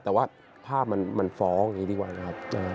แต่ว่าภาพมันฟ้องอย่างนี้ดีกว่านะครับ